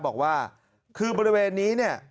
บอกว่าคือบริเวณนี้เนี่ย